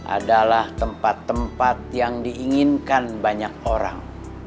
adalah tempat tempat yang diinginkan banyak orang